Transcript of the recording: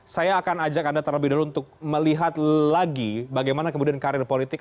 saya akan ajak anda terlebih dahulu untuk melihat lagi bagaimana kemudian karir politik